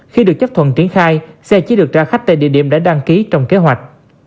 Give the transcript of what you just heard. khi được chấp thuận triển khai xe chỉ được trả khách tại địa điểm đã đăng ký trong kế hoạch